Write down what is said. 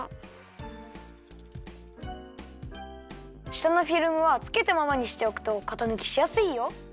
したのフィルムはつけたままにしておくとかたぬきしやすいよ。